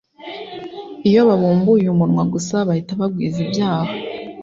Iyo babumbuye umunwa gusa bahita bagwiza ibyaha